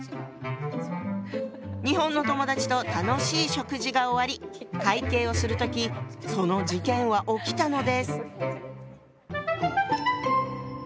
日本の友だちと楽しい食事が終わり会計をする時その事件は起きたのです。